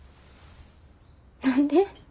何で？